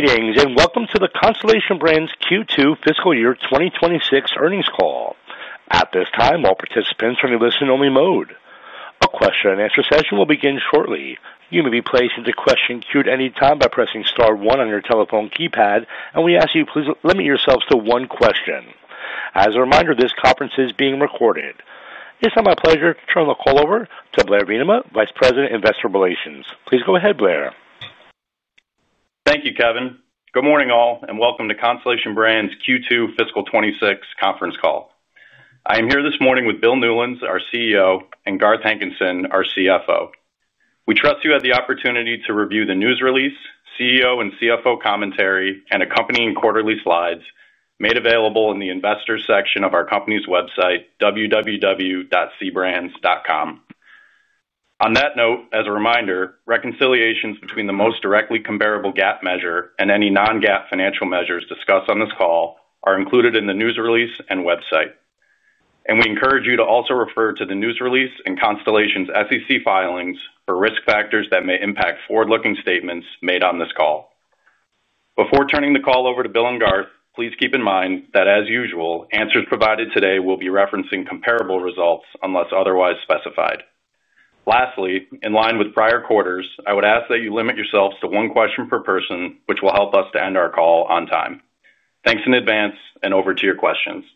Greetings and welcome to the Constellation Brands Q2 Fiscal Year 2026 Earnings Call. At this time, all participants are in a listen-only mode. A question and answer session will begin shortly. You may be placed into the question queue at any time by pressing star one on your telephone keypad, and we ask you to please limit yourselves to one question. As a reminder, this conference is being recorded. It's now my pleasure to turn the call over to Blair Venema, Vice President, Investor Relations. Please go ahead, Blair. Thank you, Kevin. Good morning all, and welcome to Constellation Brands Q2 Fiscal 2026 Conference Call. I am here this morning with Bill Newlands, our CEO, and Garth Hankinson, our CFO. We trust you had the opportunity to review the news release, CEO and CFO commentary, and accompanying quarterly slides made available in the investors section of our company's website, www.cbrands.com. On that note, as a reminder, reconciliations between the most directly comparable GAAP measure and any non-GAAP financial measures discussed on this call are included in the news release and website. We encourage you to also refer to the news release and Constellation's SEC filings for risk factors that may impact forward-looking statements made on this call. Before turning the call over to Bill and Garth, please keep in mind that as usual, answers provided today will be referencing comparable results unless otherwise specified. Lastly, in line with prior quarters, I would ask that you limit yourselves to one question per person, which will help us to end our call on time. Thanks in advance, and over to your questions.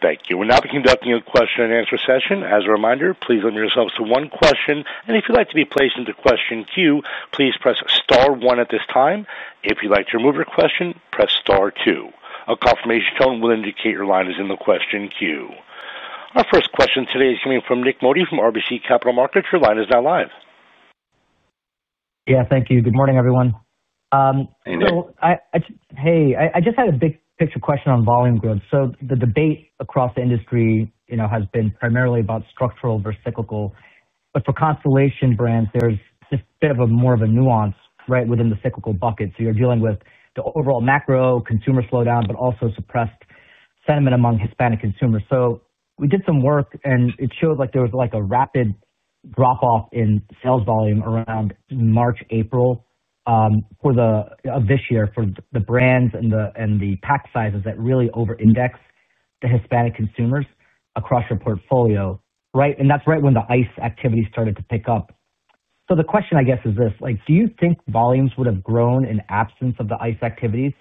Thank you. We'll now be conducting a question and answer session. As a reminder, please limit yourselves to one question, and if you'd like to be placed into the question queue, please press star one at this time. If you'd like to remove your question, press star two. A confirmation tone will indicate your line is in the question queue. Our first question today is coming from Nik Modi from RBC Capital Markets. Your line is now live. Yeah, thank you. Good morning, everyone. Hey, Nik. I just had a big picture question on volume growth. The debate across the industry has been primarily about structural versus cyclical. For Constellation Brands, there's just a bit more of a nuance within the cyclical bucket. You're dealing with the overall macro consumer slowdown, but also suppressed sentiment among Hispanic consumers. We did some work, and it showed there was a rapid drop-off in sales volume around March, April of this year for the brands and the pack sizes that really over-index the Hispanic consumers across your portfolio. That's right when the ICE activities started to pick up. The question, I guess, is this: do you think volumes would have grown in absence of the ICE activities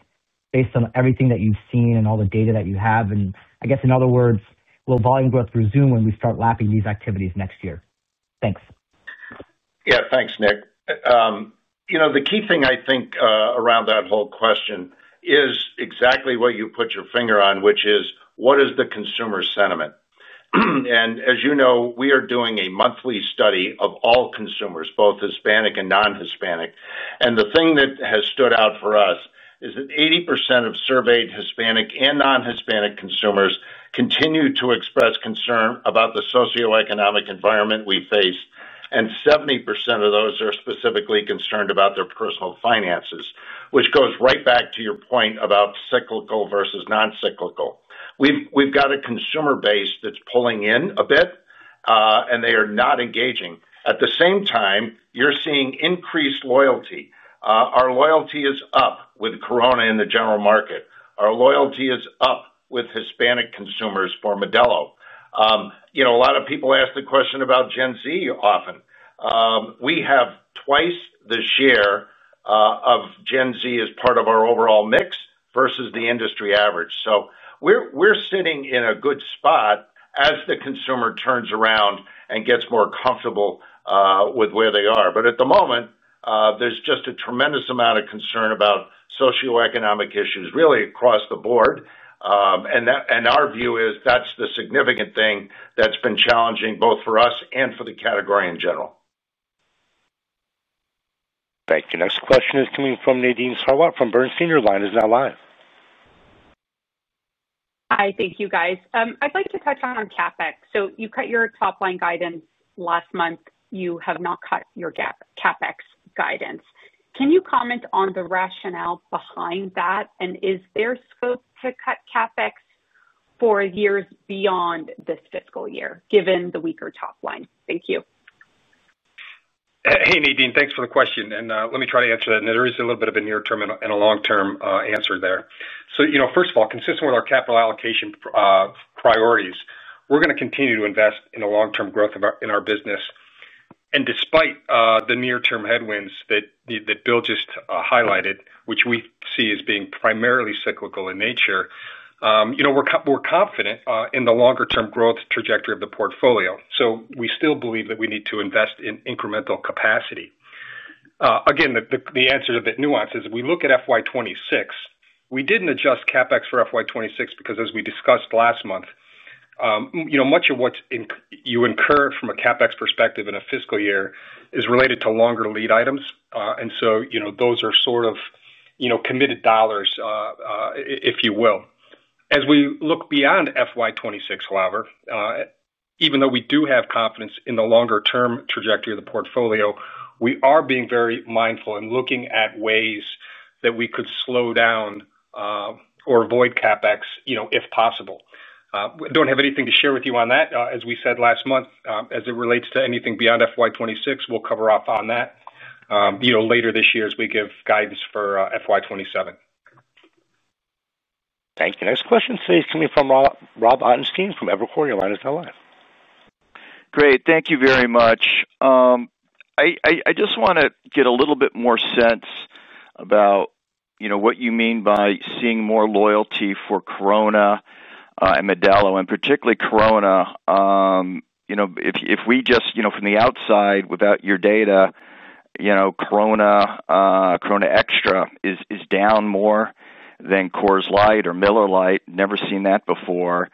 based on everything that you've seen and all the data that you have? In other words, will volume growth resume when we start lapping these activities next year? Thanks. Yeah, thanks, Nik. You know, the key thing I think around that whole question is exactly what you put your finger on, which is what is the consumer sentiment? As you know, we are doing a monthly study of all consumers, both Hispanic and non-Hispanic. The thing that has stood out for us is that 80% of surveyed Hispanic and non-Hispanic consumers continue to express concern about the socioeconomic environment we face. 70% of those are specifically concerned about their personal finances, which goes right back to your point about cyclical versus non-cyclical. We've got a consumer base that's pulling in a bit, and they are not engaging. At the same time, you're seeing increased loyalty. Our loyalty is up with Corona in the general market. Our loyalty is up with Hispanic consumers for Modelo. You know, a lot of people ask the question about Gen Z often. We have twice the share of Gen Z as part of our overall mix versus the industry average. We're sitting in a good spot as the consumer turns around and gets more comfortable with where they are. At the moment, there's just a tremendous amount of concern about socioeconomic issues really across the board. In our view, that's the significant thing that's been challenging both for us and for the category in general. Thank you. Next question is coming from Nadine Sarwat from Bernstein. Your line is now live. Hi, thank you guys. I'd like to touch on CAPEX. You cut your top line guidance last month. You have not cut your CAPEX guidance. Can you comment on the rationale behind that? Is there scope to cut CAPEX for years beyond this fiscal year, given the weaker top line? Thank you. Hey Nadine, thanks for the question. Let me try to answer that. There is a little bit of a near-term and a long-term answer there. First of all, consistent with our capital allocation priorities, we're going to continue to invest in the long-term growth in our business. Despite the near-term headwinds that Bill just highlighted, which we see as being primarily cyclical in nature, we're confident in the longer-term growth trajectory of the portfolio. We still believe that we need to invest in incremental capacity. The answer to that nuance is if we look at FY 2026, we didn't adjust CapEx for FY 2026 because, as we discussed last month, much of what you incur from a CapEx perspective in a fiscal year is related to longer lead items. Those are sort of committed dollars, if you will. As we look beyond FY 2026, however, even though we do have confidence in the longer-term trajectory of the portfolio, we are being very mindful and looking at ways that we could slow down or avoid CapEx, if possible. We don't have anything to share with you on that. As we said last month, as it relates to anything beyond FY 2026, we'll cover off on that later this year as we give guidance for FY 2027. Thank you. Next question today is coming from Rob Ottenstein from Evercore. Your line is now live. Great, thank you very much. I just want to get a little bit more sense about, you know, what you mean by seeing more loyalty for Corona and Modelo, and particularly Corona. If we just, you know, from the outside, without your data, Corona, Corona Extra is down more than Coors Light or Miller Lite. Never seen that before.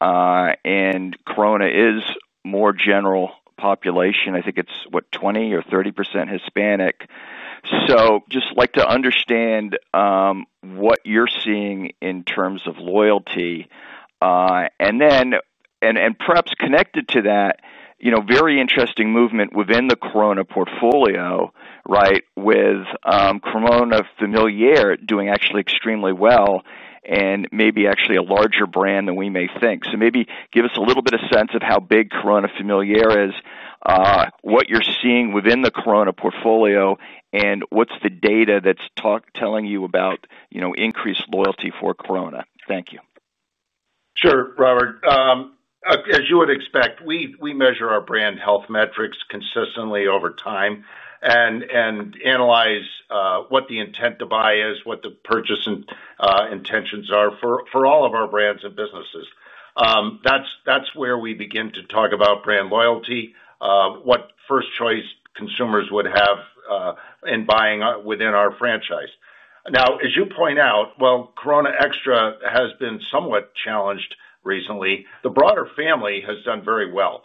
Corona is more general population. I think it's what, 20% or 30% Hispanic. Just like to understand what you're seeing in terms of loyalty. Perhaps connected to that, very interesting movement within the Corona portfolio, right, with Corona Familiar doing actually extremely well and maybe actually a larger brand than we may think. Maybe give us a little bit of sense of how big Corona Familiar is, what you're seeing within the Corona portfolio, and what's the data that's telling you about increased loyalty for Corona. Thank you. Sure, Robert. As you would expect, we measure our brand health metrics consistently over time and analyze what the intent to buy is, what the purchase intentions are for all of our brands and businesses. That's where we begin to talk about brand loyalty, what first choice consumers would have in buying within our franchise. Now, as you point out, Corona Extra has been somewhat challenged recently. The broader family has done very well.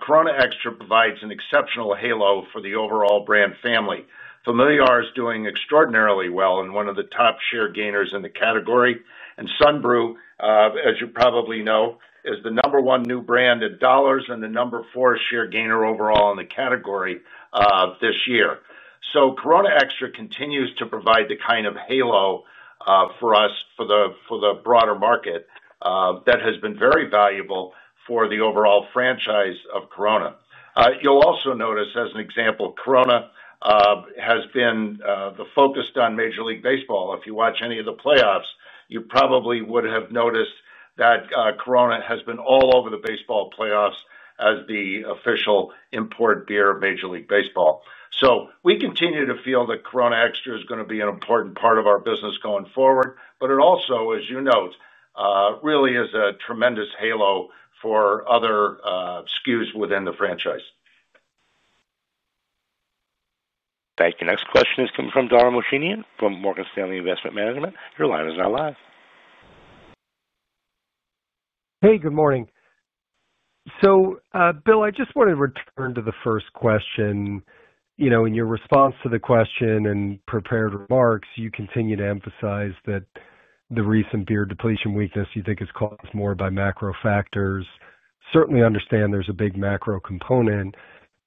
Corona Extra provides an exceptional halo for the overall brand family. Familiar is doing extraordinarily well and one of the top share gainers in the category. Sunbrew, as you probably know, is the number one new brand in dollars and the number four share gainer overall in the category this year. Corona Extra continues to provide the kind of halo for us for the broader market that has been very valuable for the overall franchise of Corona. You'll also notice, as an example, Corona has been focused on Major League Baseball. If you watch any of the playoffs, you probably would have noticed that Corona has been all over the baseball playoffs as the official import beer of Major League Baseball. We continue to feel that Corona Extra is going to be an important part of our business going forward, but it also, as you note, really is a tremendous halo for other SKUs within the franchise. Thank you. Next question is coming from Dara Mohsenian from Morgan Stanley Investment Management. Your line is now live. Hey, good morning. Bill, I just want to return to the first question. In your response to the question and prepared remarks, you continue to emphasize that the recent beer depletion weakness you think is caused more by macro factors. I certainly understand there's a big macro component,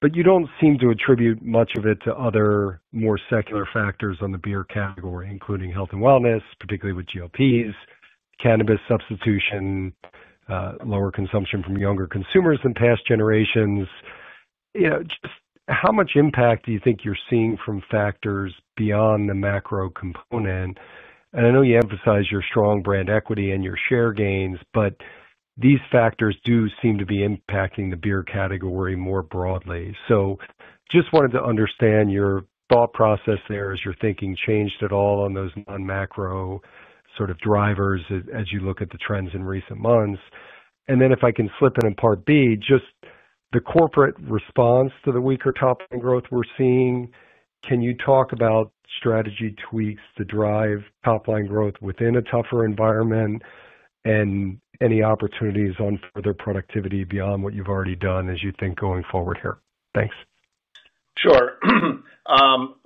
but you don't seem to attribute much of it to other more secular factors on the beer category, including health and wellness, particularly with RTDs, cannabis substitution, lower consumption from younger consumers than past generations. How much impact do you think you're seeing from factors beyond the macro component? I know you emphasize your strong brand equity and your share gains, but these factors do seem to be impacting the beer category more broadly. I just wanted to understand your thought process there as your thinking changed at all on those non-macro sort of drivers as you look at the trends in recent months. If I can slip in part B, just the corporate response to the weaker top line growth we're seeing, can you talk about strategy tweaks to drive top line growth within a tougher environment and any opportunities on further productivity beyond what you've already done as you think going forward here? Thanks. Sure.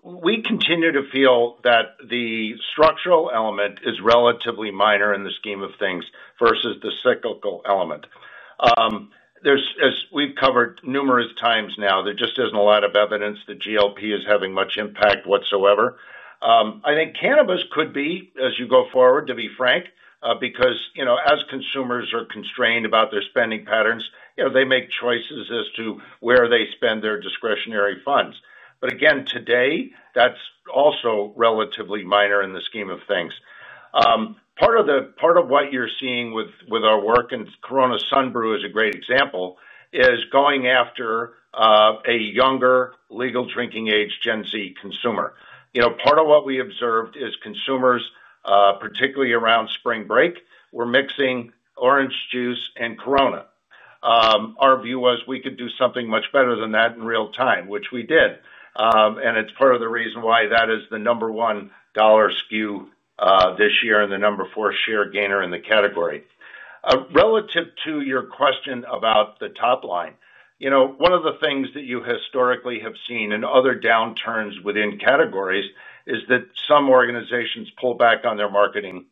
We continue to feel that the structural element is relatively minor in the scheme of things versus the cyclical element. As we've covered numerous times now, there just isn't a lot of evidence that GOP is having much impact whatsoever. I think cannabis could be, as you go forward, to be frank, because, you know, as consumers are constrained about their spending patterns, they make choices as to where they spend their discretionary funds. Again, today, that's also relatively minor in the scheme of things. Part of what you're seeing with our work, and Corona Sunbrew is a great example, is going after a younger legal drinking age, Gen Z consumer. Part of what we observed is consumers, particularly around spring break, were mixing orange juice and Corona. Our view was we could do something much better than that in real time, which we did. It's part of the reason why that is the number one dollar SKU this year and the number four share gainer in the category. Relative to your question about the top line, one of the things that you historically have seen in other downturns within categories is that some organizations pull back on their marketing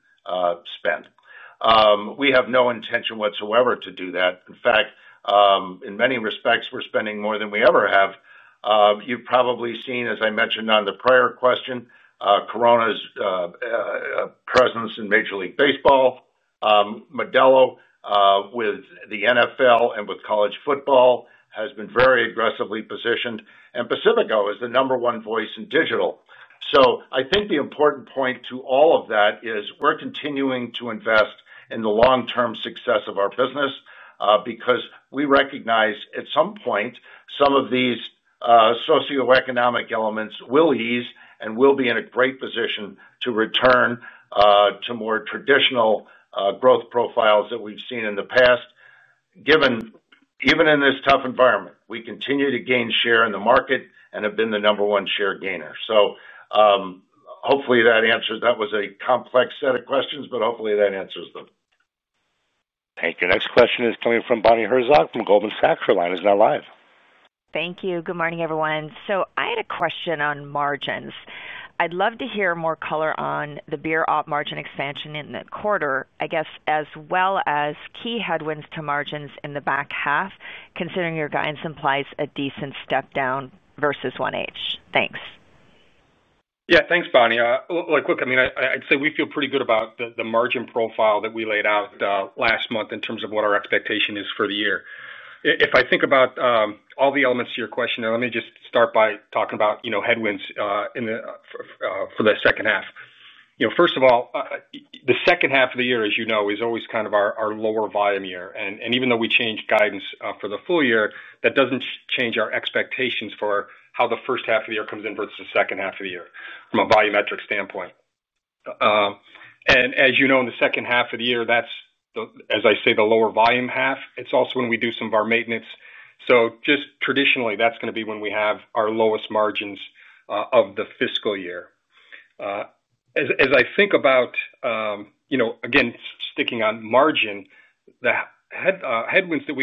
spend. We have no intention whatsoever to do that. In fact, in many respects, we're spending more than we ever have. You've probably seen, as I mentioned on the prior question, Corona's presence in Major League Baseball, Modelo, with the NFL and with college football has been very aggressively positioned, and Pacifico is the number one voice in digital. I think the important point to all of that is we're continuing to invest in the long-term success of our business because we recognize at some point some of these socioeconomic elements will ease and we'll be in a great position to return to more traditional growth profiles that we've seen in the past. Given, even in this tough environment, we continue to gain share in the market and have been the number one share gainer. Hopefully that answers, that was a complex set of questions, but hopefully that answers them. Thank you. Next question is coming from Bonnie Herzog from Goldman Sachs. Your line is now live. Thank you. Good morning, everyone. I had a question on margins. I'd love to hear more color on the beer op margin expansion in the quarter, I guess, as well as key headwinds to margins in the back half, considering your guidance implies a decent step down versus 1H. Thanks. Yeah, thanks, Bonnie. Look, I mean, I'd say we feel pretty good about the margin profile that we laid out last month in terms of what our expectation is for the year. If I think about all the elements to your question, let me just start by talking about headwinds for the second half. First of all, the second half of the year, as you know, is always kind of our lower volume year. Even though we change guidance for the full year, that doesn't change our expectations for how the first half of the year comes in versus the second half of the year from a volumetric standpoint. As you know, in the second half of the year, that's, as I say, the lower volume half. It's also when we do some of our maintenance. Just traditionally, that's going to be when we have our lowest margins of the fiscal year. As I think about, again, sticking on margin, the headwinds that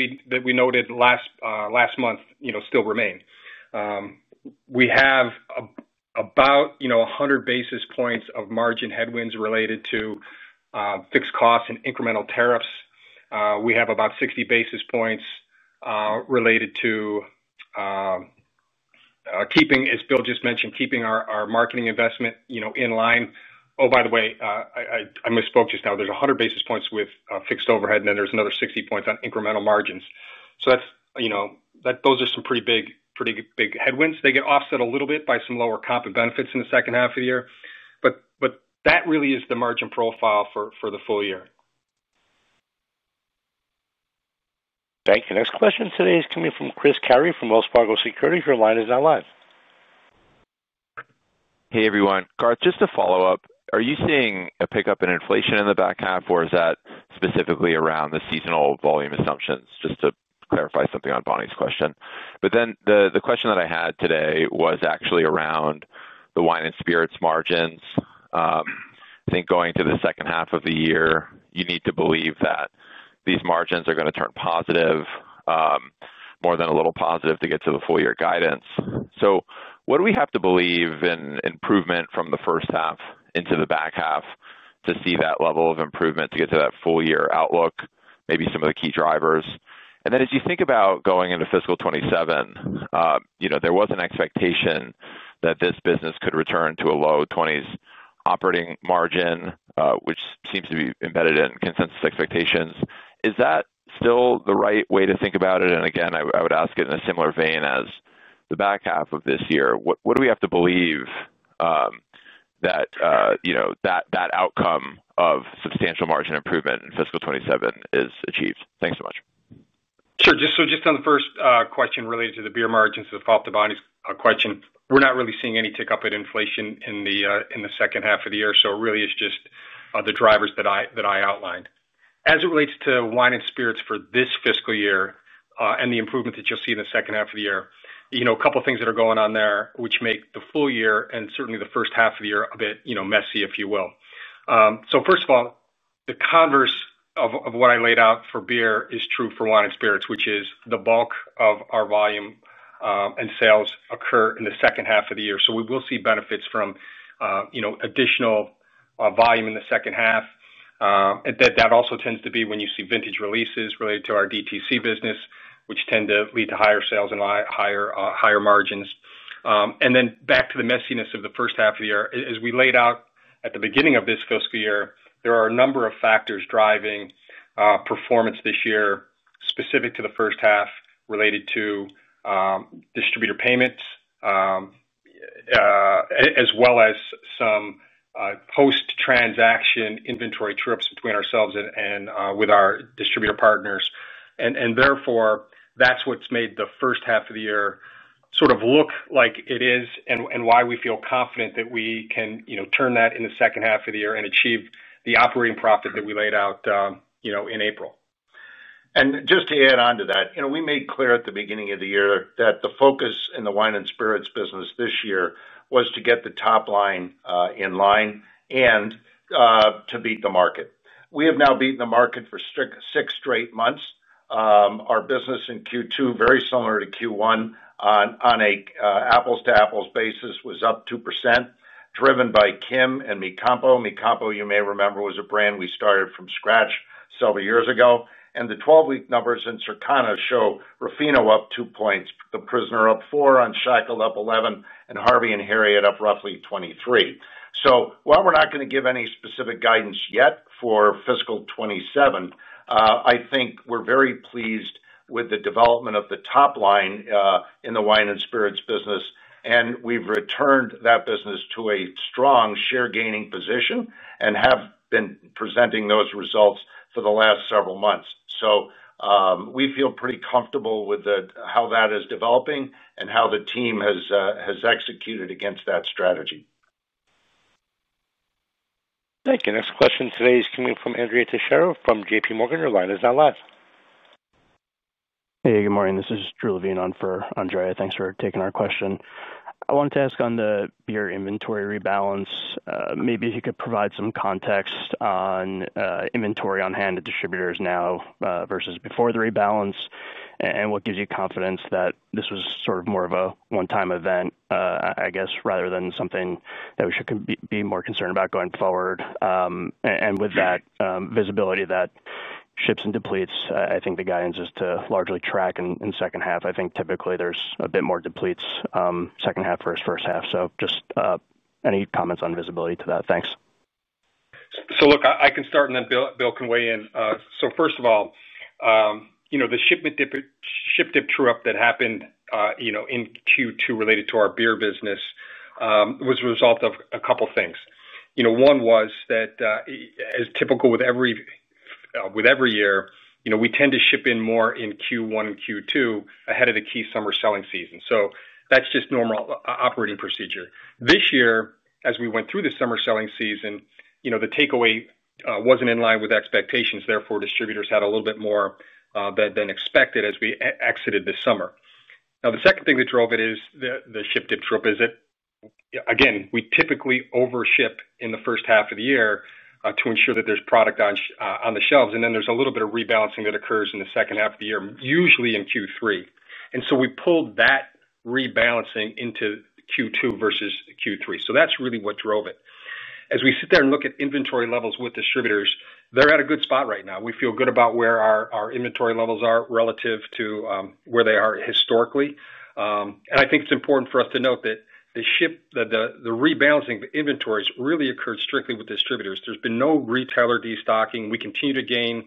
we noted last month still remain. We have about 100 basis points of margin headwinds related to fixed costs and incremental tariffs. We have about 60 basis points related to keeping, as Bill just mentioned, keeping our marketing investment in line. Oh, by the way, I misspoke just now. There's 100 basis points with fixed overhead, and then there's another 60 points on incremental margins. Those are some pretty big, pretty big headwinds. They get offset a little bit by some lower comp and benefits in the second half of the year. That really is the margin profile for the full year. Thank you. Next question today is coming from Chris Carey from Wells Fargo Securities. Your line is now live. Hey everyone. Garth, just to follow up, are you seeing a pickup in inflation in the back half, or is that specifically around the seasonal volume assumptions? Just to clarify something on Bonnie's question. The question that I had today was actually around the wine and spirits margins. I think going to the second half of the year, you need to believe that these margins are going to turn positive, more than a little positive, to get to the full year guidance. What do we have to believe in improvement from the first half into the back half to see that level of improvement to get to that full year outlook, maybe some of the key drivers? As you think about going into fiscal 2027, there was an expectation that this business could return to a low 20% operating margin, which seems to be embedded in consensus expectations. Is that still the right way to think about it? I would ask it in a similar vein as the back half of this year. What do we have to believe that outcome of substantial margin improvement in fiscal 2027 is achieved? Thanks so much. Sure. Just on the first question related to the beer margins that fall off the body's question, we're not really seeing any tick up at inflation in the second half of the year. It really is just the drivers that I outlined. As it relates to wine and spirits for this fiscal year and the improvement that you'll see in the second half of the year, a couple of things are going on there, which make the full year and certainly the first half of the year a bit messy, if you will. First of all, the converse of what I laid out for beer is true for wine and spirits, which is the bulk of our volume and sales occur in the second half of the year. We will see benefits from additional volume in the second half. That also tends to be when you see vintage releases related to our DTC business, which tend to lead to higher sales and higher margins. Back to the messiness of the first half of the year, as we laid out at the beginning of this fiscal year, there are a number of factors driving performance this year, specific to the first half, related to distributor payments, as well as some post-transaction inventory trips between ourselves and with our distributor partners. Therefore, that's what's made the first half of the year sort of look like it is and why we feel confident that we can turn that in the second half of the year and achieve the operating profit that we laid out in April. Just to add on to that, you know, we made clear at the beginning of the year that the focus in the wine and spirits business this year was to get the top line in line and to beat the market. We have now beaten the market for six straight months. Our business in Q2, very similar to Q1, on an apples-to-apples basis, was up 2%, driven by Kim and Mi Campo. Mi Campo, you may remember, was a brand we started from scratch several years ago. The 12-week numbers in Circana show Ruffino up 2 points, The Prisoner up 4, Unshackled up 11, and Harvey and Harriet up roughly 23. While we're not going to give any specific guidance yet for fiscal 2027, I think we're very pleased with the development of the top line in the wine and spirits business. We've returned that business to a strong share-gaining position and have been presenting those results for the last several months. We feel pretty comfortable with how that is developing and how the team has executed against that strategy. Thank you. Next question today is coming from Andrea Teixeira from JPMorgan. Your line is now live. Hey, good morning. This is Drew Levine on for Andrea. Thanks for taking our question. I wanted to ask on the beer inventory rebalance. Maybe you could provide some context on inventory on hand at distributors now versus before the rebalance, and what gives you confidence that this was sort of more of a one-time event, I guess, rather than something that we should be more concerned about going forward. With that visibility that ships and depletes, I think the guidance is to largely track in the second half. I think typically there's a bit more depletes second half versus first half. Just any comments on visibility to that? Thanks. I can start and then Bill can weigh in. First of all, the ship dip trip that happened in Q2 related to our beer business was a result of a couple of things. One was that, as typical with every year, we tend to ship in more in Q1 and Q2 ahead of the key summer selling season. That's just normal operating procedure. This year, as we went through the summer selling season, the takeaway wasn't in line with expectations. Therefore, distributors had a little bit more than expected as we exited this summer. The second thing that drove it is the ship dip trip is that we typically overship in the first half of the year to ensure that there's product on the shelves. Then there's a little bit of rebalancing that occurs in the second half of the year, usually in Q3. We pulled that rebalancing into Q2 versus Q3. That's really what drove it. As we sit there and look at inventory levels with distributors, they're at a good spot right now. We feel good about where our inventory levels are relative to where they are historically. I think it's important for us to note that the ship, the rebalancing of the inventories really occurred strictly with distributors. There's been no retailer destocking. We continue to gain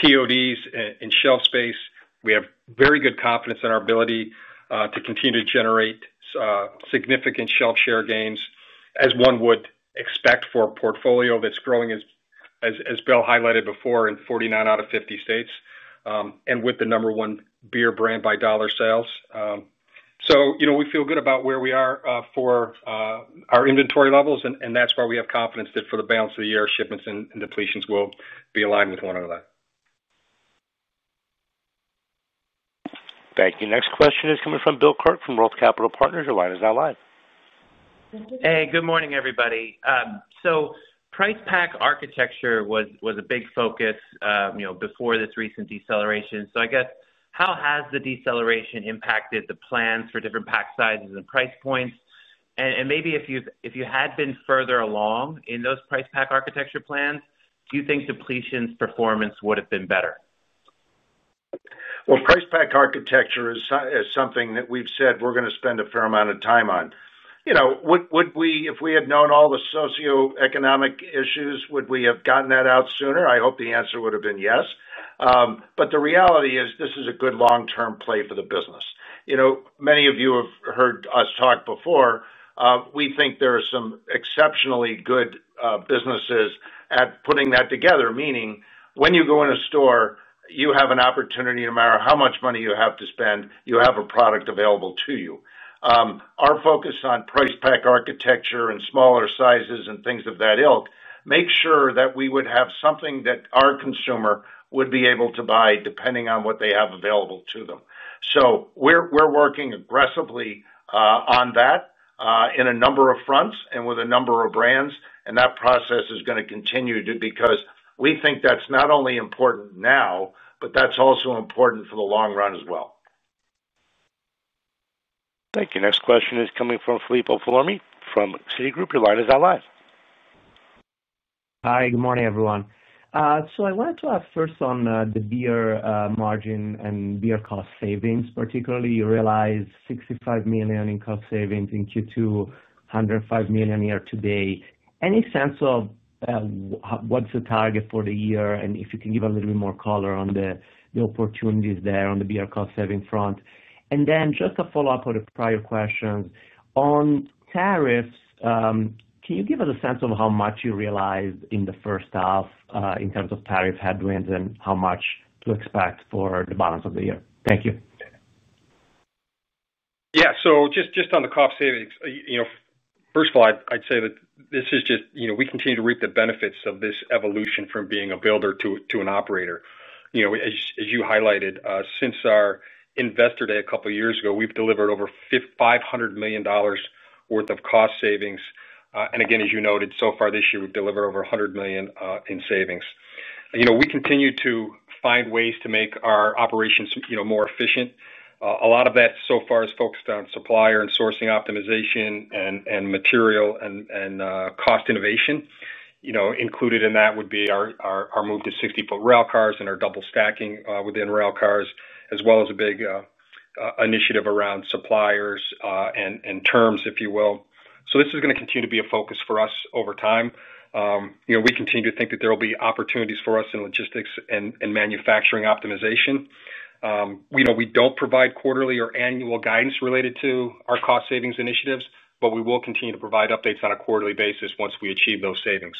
PODs in shelf space. We have very good confidence in our ability to continue to generate significant shelf share gains, as one would expect for a portfolio that's growing, as Bill highlighted before, in 49 out of 50 states, and with the number one beer brand by dollar sales. We feel good about where we are for our inventory levels, and that's why we have confidence that for the balance of the year, shipments and depletions will be aligned with one another. Thank you. Next question is coming from Bill Kirk from ROTH Capital Partners. Your line is now live. Good morning, everybody. Price pack architecture was a big focus before this recent deceleration. How has the deceleration impacted the plans for different pack sizes and price points? Maybe if you had been further along in those price pack architecture plans, do you think depletions performance would have been better? Price pack architecture is something that we've said we're going to spend a fair amount of time on. You know, would we, if we had known all the socioeconomic issues, would we have gotten that out sooner? I hope the answer would have been yes. The reality is this is a good long-term play for the business. You know, many of you have heard us talk before. We think there are some exceptionally good businesses at putting that together, meaning when you go in a store, you have an opportunity, no matter how much money you have to spend, you have a product available to you. Our focus on price pack architecture and smaller sizes and things of that ilk makes sure that we would have something that our consumer would be able to buy depending on what they have available to them. We're working aggressively on that in a number of fronts and with a number of brands, and that process is going to continue because we think that's not only important now, but that's also important for the long run as well. Thank you. Next question is coming from Filippo Forni from Citigroup. Your line is now live. Hi, good morning everyone. I wanted to ask first on the beer margin and beer cost savings, particularly you realize $65 million in cost savings in Q2, $105 million year to date. Any sense of what's the target for the year, and if you can give a little bit more color on the opportunities there on the beer cost saving front? Just to follow up on the prior question on tariffs, can you give us a sense of how much you realized in the first half in terms of tariff headwinds and how much to expect for the balance of the year? Thank you. Yeah, just on the cost savings, first of all, I'd say that this is just, we continue to reap the benefits of this evolution from being a builder to an operator. As you highlighted, since our investor day a couple of years ago, we've delivered over $500 million worth of cost savings. Again, as you noted, so far this year, we've delivered over $100 million in savings. We continue to find ways to make our operations more efficient. A lot of that so far is focused on supplier and sourcing optimization and material and cost innovation. Included in that would be our move to 60-foot rail cars and our double stacking within rail cars, as well as a big initiative around suppliers and terms, if you will. This is going to continue to be a focus for us over time. We continue to think that there will be opportunities for us in logistics and manufacturing optimization. We know we don't provide quarterly or annual guidance related to our cost savings initiatives, but we will continue to provide updates on a quarterly basis once we achieve those savings.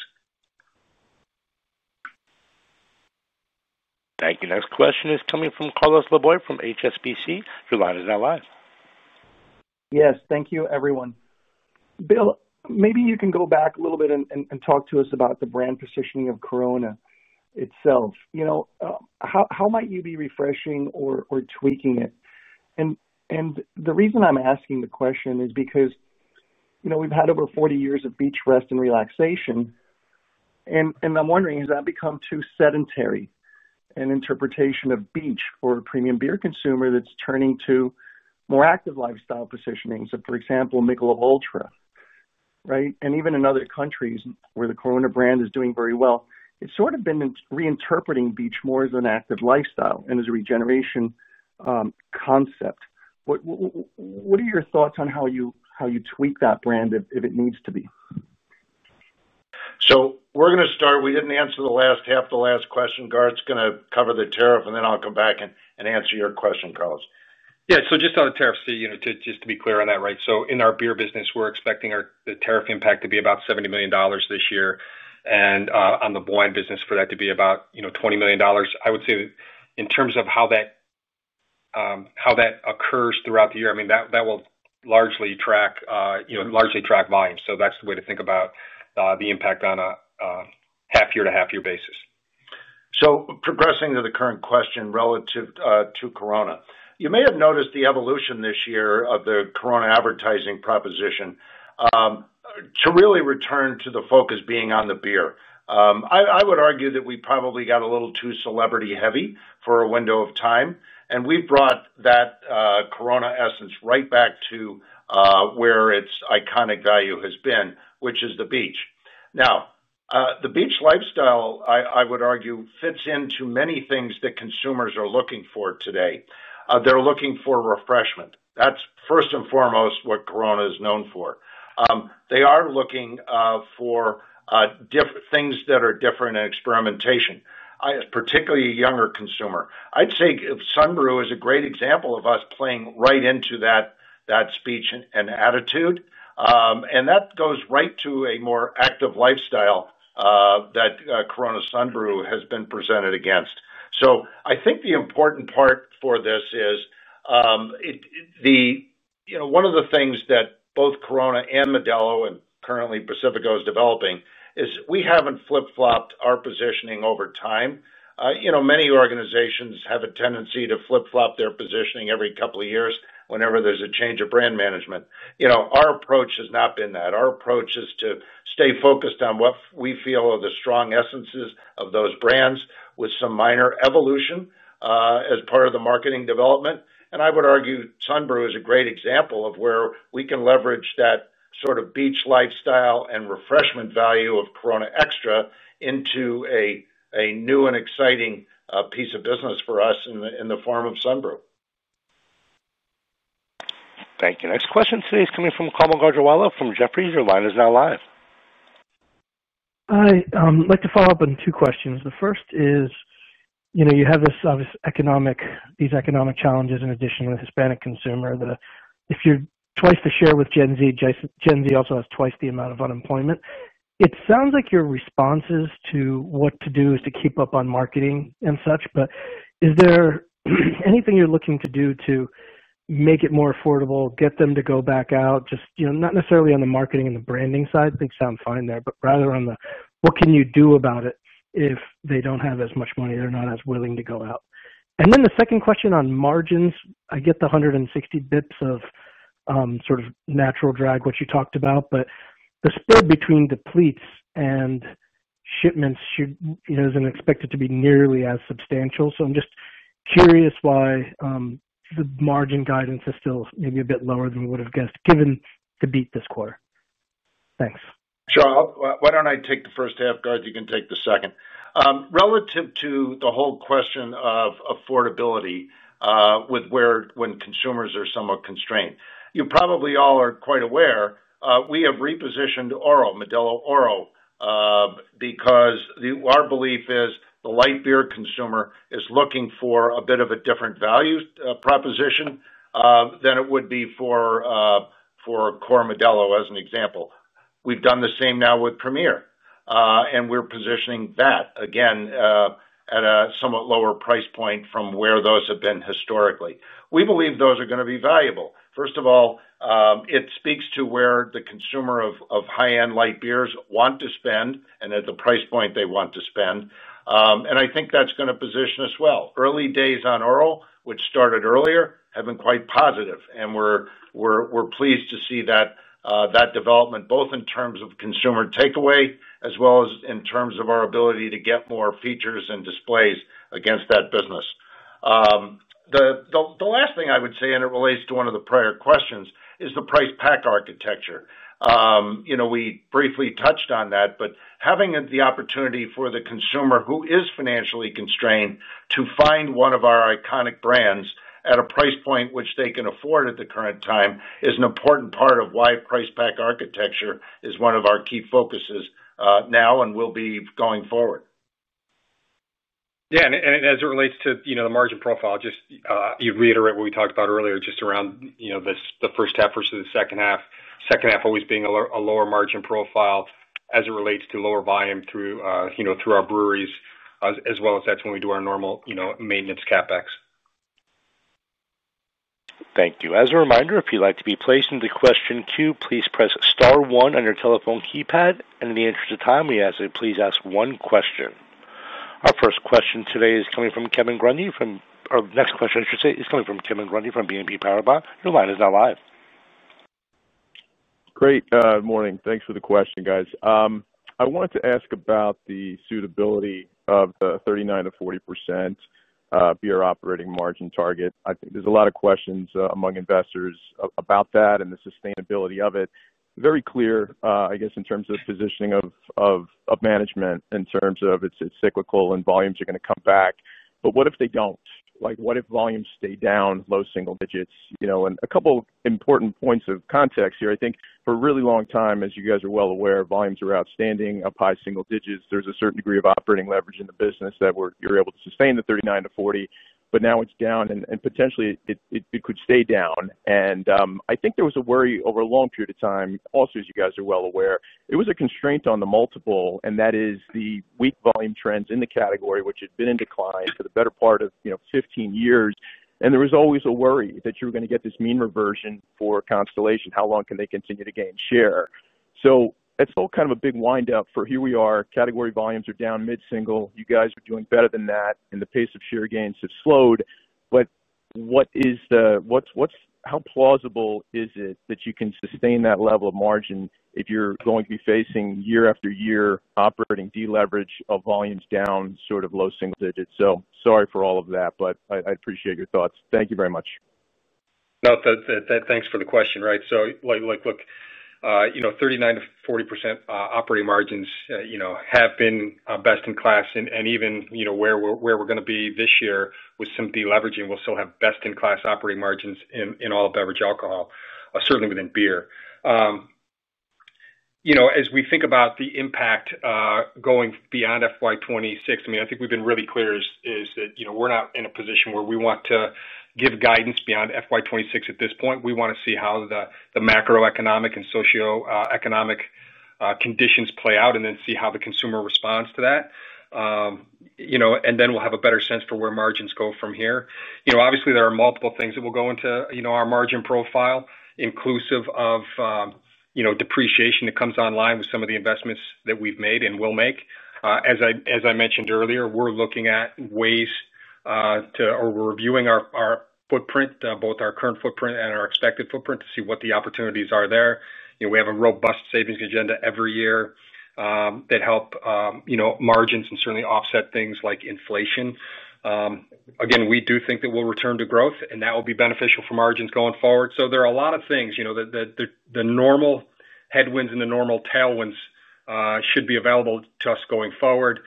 Thank you. Next question is coming from Carlos Laboy from HSBC. Your line is now live. Yes, thank you everyone. Bill, maybe you can go back a little bit and talk to us about the brand positioning of Corona itself. You know, how might you be refreshing or tweaking it? The reason I'm asking the question is because, you know, we've had over 40 years of beach, rest, and relaxation. I'm wondering, has that become too sedentary? An interpretation of beach for a premium beer consumer that's turning to more active lifestyle positionings. For example, Michelob Ultra, right? Even in other countries where the Corona brand is doing very well, it's sort of been reinterpreting beach more as an active lifestyle and as a regeneration concept. What are your thoughts on how you tweak that brand if it needs to be? We are going to start. We did not answer the last half of the last question. Garth is going to cover the tariff, and then I will come back and answer your question, Carlos. Yeah, just on the tariffs, just to be clear on that, right? In our beer business, we're expecting the tariff impact to be about $70 million this year. On the wine business, for that to be about $20 million. I would say in terms of how that occurs throughout the year, that will largely track volume. That's the way to think about the impact on a half-year to half-year basis. Progressing to the current question relative to Corona, you may have noticed the evolution this year of the Corona advertising proposition to really return to the focus being on the beer. I would argue that we probably got a little too celebrity heavy for a window of time, and we've brought that Corona essence right back to where its iconic value has been, which is the beach. Now, the beach lifestyle, I would argue, fits into many things that consumers are looking for today. They're looking for refreshment. That's first and foremost what Corona is known for. They are looking for things that are different in experimentation, particularly a younger consumer. I'd say Sunbrew is a great example of us playing right into that speech and attitude. That goes right to a more active lifestyle that Corona Sunbrew has been presented against. I think the important part for this is, you know, one of the things that both Corona and Modelo, and currently Pacifico is developing, is we haven't flip-flopped our positioning over time. Many organizations have a tendency to flip-flop their positioning every couple of years whenever there's a change of brand management. Our approach has not been that. Our approach is to stay focused on what we feel are the strong essences of those brands with some minor evolution as part of the marketing development. I would argue Sunbrew is a great example of where we can leverage that sort of beach lifestyle and refreshment value of Corona Extra into a new and exciting piece of business for us in the form of Sunbrew. Thank you. Next question today is coming from Carmel Gajrawala from Jefferies. Your line is now live. I'd like to follow up on two questions. The first is, you know, you have these economic challenges in addition to the Hispanic consumer. If you're twice the share with Gen Z, Gen Z also has twice the amount of unemployment. It sounds like your responses to what to do is to keep up on marketing and such, but is there anything you're looking to do to make it more affordable, get them to go back out, just, you know, not necessarily on the marketing and the branding side, things sound fine there, but rather on the what can you do about it if they don't have as much money, they're not as willing to go out. The second question on margins, I get the 160 bps of sort of natural drag, which you talked about, but the spread between depletes and shipments isn't expected to be nearly as substantial. I'm just curious why the margin guidance is still maybe a bit lower than we would have guessed, given the beat this quarter. Thanks. Sure, why don't I take the first half, Garth, you can take the second. Relative to the whole question of affordability with where, when consumers are somewhat constrained, you probably all are quite aware, we have repositioned Modelo, because our belief is the light beer consumer is looking for a bit of a different value proposition than it would be for Core Modelo, as an example. We've done the same now with Premier, and we're positioning that, again, at a somewhat lower price point from where those have been historically. We believe those are going to be valuable. First of all, it speaks to where the consumer of high-end light beers wants to spend and at the price point they want to spend. I think that's going to position us well. Early days on Premier, which started earlier, have been quite positive. We're pleased to see that development, both in terms of consumer takeaway, as well as in terms of our ability to get more features and displays against that business. The last thing I would say, and it relates to one of the prior questions, is the price pack architecture. We briefly touched on that, but having the opportunity for the consumer who is financially constrained to find one of our iconic brands at a price point which they can afford at the current time is an important part of why price pack architecture is one of our key focuses now and will be going forward. Yeah, as it relates to the margin profile, just to reiterate what we talked about earlier, just around the first half versus the second half. The second half always being a lower margin profile as it relates to lower volume through our breweries, as well as that's when we do our normal maintenance CAPEX. Thank you. As a reminder, if you'd like to be placed into question two, please press star one on your telephone keypad. In the interest of time, we ask that you please ask one question. Our first question today is coming from Kevin Grundy. Our next question, I should say, is coming from Kevin Grundy from BNP Paribas. Your line is now live. Great. Morning. Thanks for the question, guys. I wanted to ask about the suitability of the 39%-40% beer operating margin target. I think there's a lot of questions among investors about that and the sustainability of it. Very clear, I guess, in terms of positioning of management, in terms of it's cyclical and volumes are going to come back. What if they don't? What if volumes stay down low single digits? A couple of important points of context here. I think for a really long time, as you guys are well aware, volumes are outstanding, up high single digits. There's a certain degree of operating leverage in the business that you're able to sustain the 39%-40%, but now it's down and potentially it could stay down. I think there was a worry over a long period of time, also as you guys are well aware, it was a constraint on the multiple, and that is the weak volume trends in the category, which had been in decline for the better part of, you know, 15 years. There was always a worry that you were going to get this mean reversion for Constellation. How long can they continue to gain share? It's all kind of a big wind-up for here we are, category volumes are down mid-single, you guys are doing better than that, and the pace of share gains have slowed. What is the, what's, how plausible is it that you can sustain that level of margin if you're going to be facing year after year operating deleverage of volumes down sort of low single digits? Sorry for all of that, but I appreciate your thoughts. Thank you very much. Thanks for the question. Look, 39%-40% operating margins have been best in class, and even where we're going to be this year with some deleveraging, we'll still have best in class operating margins in all beverage alcohol, certainly within beer. As we think about the impact going beyond FY 2026, I think we've been really clear that we're not in a position where we want to give guidance beyond FY 2026 at this point. We want to see how the macroeconomic and socioeconomic conditions play out and then see how the consumer responds to that. Then we'll have a better sense for where margins go from here. Obviously, there are multiple things that will go into our margin profile, inclusive of depreciation that comes online with some of the investments that we've made and will make. As I mentioned earlier, we're looking at ways to, or we're reviewing our footprint, both our current footprint and our expected footprint, to see what the opportunities are there. We have a robust savings agenda every year that helps margins and certainly offsets things like inflation. We do think that we'll return to growth and that will be beneficial for margins going forward. There are a lot of things that the normal headwinds and the normal tailwinds should be available to us going forward.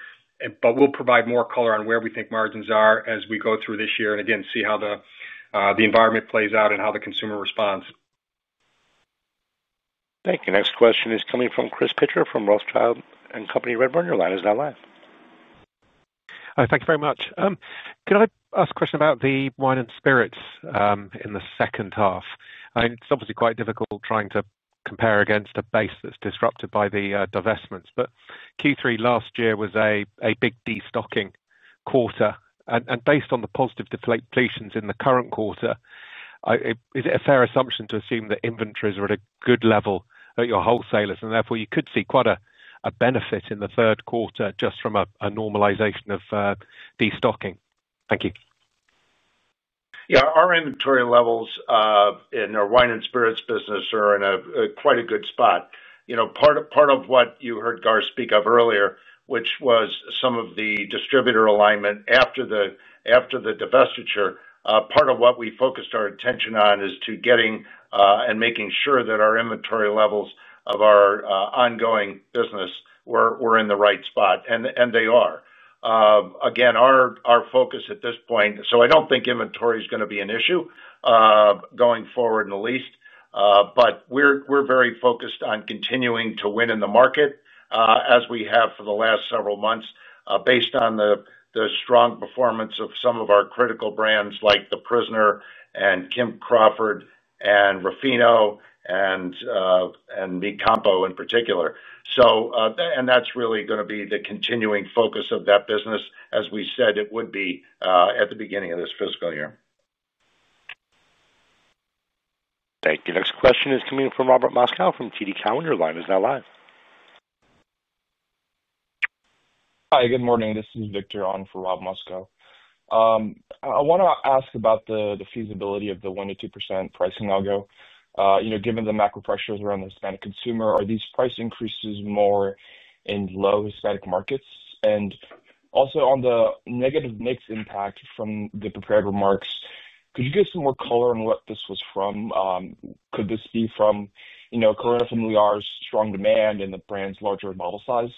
We'll provide more color on where we think margins are as we go through this year and again see how the environment plays out and how the consumer responds. Thank you. Next question is coming from Chris Pitcher from Rothschild & Co Redburn. Your line is now live. Thank you very much. Can I ask a question about the wine and spirits in the second half? It's obviously quite difficult trying to compare against a base that's disrupted by the divestments. Q3 last year was a big destocking quarter. Based on the positive depletions in the current quarter, is it a fair assumption to assume that inventories are at a good level at your wholesalers? Therefore, you could see quite a benefit in the third quarter just from a normalization of destocking. Thank you. Yeah, our inventory levels in our wine and spirits business are in quite a good spot. Part of what you heard Garth speak of earlier, which was some of the distributor alignment after the divestiture, part of what we focused our attention on is to getting and making sure that our inventory levels of our ongoing business were in the right spot, and they are. Again, our focus at this point, I don't think inventory is going to be an issue going forward in the least, but we're very focused on continuing to win in the market as we have for the last several months based on the strong performance of some of our critical brands like The Prisoner, Kim Crawford, Ruffino, and Mi Campo in particular. That's really going to be the continuing focus of that business, as we said it would be at the beginning of this fiscal year. Thank you. Next question is coming from Robert Moskow from TD Cowen. Your line is now live. Hi, good morning. This is Victor on for Rob Moscow. I want to ask about the feasibility of the 1%-2% pricing algo. Given the macro pressures around the Hispanic consumer, are these price increases more in low Hispanic markets? Also, on the negative mix impact from the prepared remarks, could you give some more color on what this was from? Could this be from, you know, Corona Familiar's strong demand in the brand's larger model size?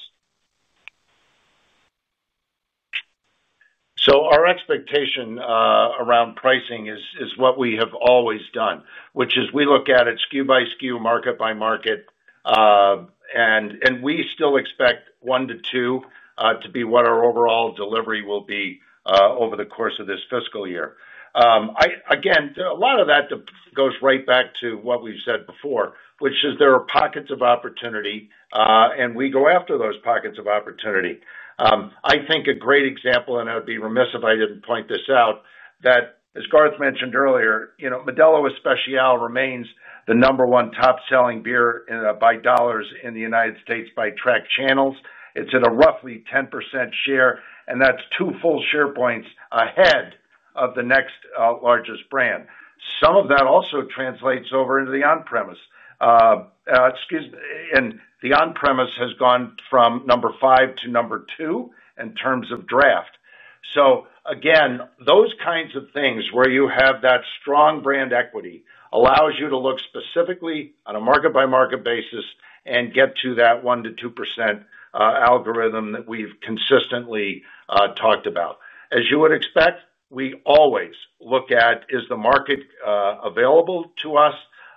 Our expectation around pricing is what we have always done, which is we look at it SKU by SKU, market by market, and we still expect 1%-2% to be what our overall delivery will be over the course of this fiscal year. A lot of that goes right back to what we've said before, which is there are pockets of opportunity, and we go after those pockets of opportunity. I think a great example, and I'd be remiss if I didn't point this out, that as Garth mentioned earlier, Modelo Especial remains the number one top-selling beer by dollars in the U.S. by track channels. It's at a roughly 10% share, and that's two full share points ahead of the next largest brand. Some of that also translates over into the on-premise. Excuse me, the on-premise has gone from number five to number two in terms of draft. Those kinds of things where you have that strong brand equity allow you to look specifically on a market-by-market basis and get to that 1%-2% algorithm that we've consistently talked about. As you would expect, we always look at is the market available to us,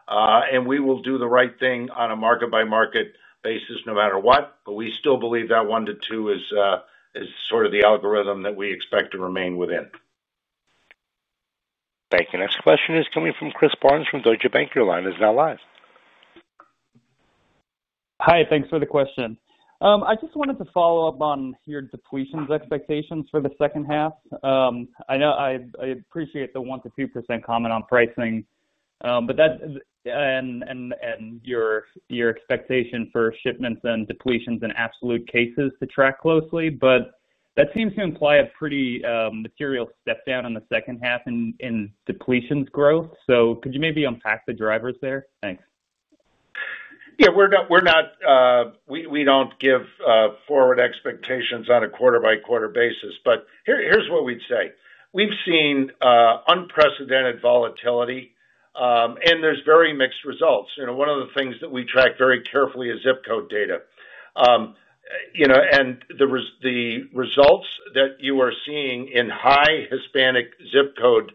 and we will do the right thing on a market-by-market basis no matter what, but we still believe that 1%-2% is sort of the algorithm that we expect to remain within. Thank you. Next question is coming from Chris Barnes from Deutsche Bank. Your line is now live. Hi, thanks for the question. I just wanted to follow up on your depletions expectations for the second half. I know I appreciate the 1%-2% comment on pricing, but that and your expectation for shipments and depletions in absolute cases to track closely, that seems to imply a pretty material step down in the second half in depletions growth. Could you maybe unpack the drivers there? Thanks. Yeah, we don't give forward expectations on a quarter-by-quarter basis, but here's what we'd say. We've seen unprecedented volatility, and there's very mixed results. One of the things that we track very carefully is zip code data, and the results that you are seeing in high Hispanic zip code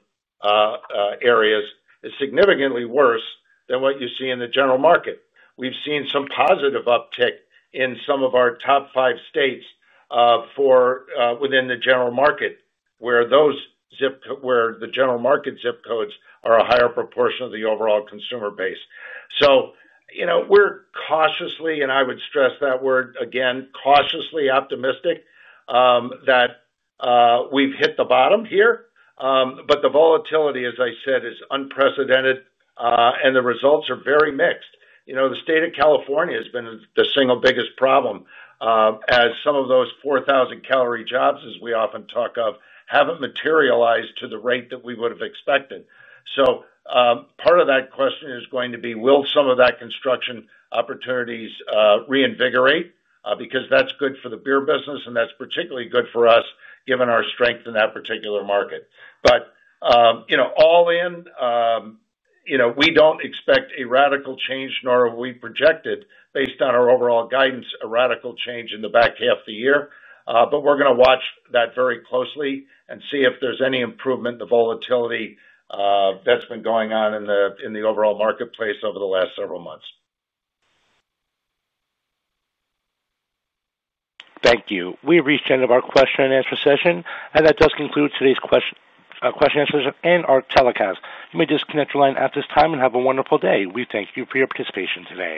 areas are significantly worse than what you see in the general market. We've seen some positive uptick in some of our top five states within the general market where those zip codes, where the general market zip codes are a higher proportion of the overall consumer base. We're cautiously, and I would stress that word again, cautiously optimistic that we've hit the bottom here, but the volatility, as I said, is unprecedented, and the results are very mixed. The state of California has been the single biggest problem as some of those 4,000 calorie jobs, as we often talk of, haven't materialized to the rate that we would have expected. Part of that question is going to be, will some of that construction opportunities reinvigorate? Because that's good for the beer business, and that's particularly good for us given our strength in that particular market. All in, we don't expect a radical change, nor are we projected, based on our overall guidance, a radical change in the back half of the year, but we're going to watch that very closely and see if there's any improvement in the volatility that's been going on in the overall marketplace over the last several months. Thank you. We reached the end of our question and answer session, and that does conclude today's question and answer session and our telecast. We disconnect the line at this time and have a wonderful day. We thank you for your participation today.